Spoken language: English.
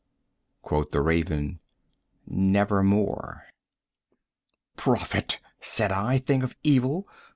Quoth the Raven, "Nevermore." "Prophet!" said I, "thing of evil!